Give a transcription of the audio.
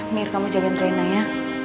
mir kamu jagain rena ya